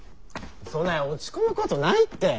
そない落ち込むことないって。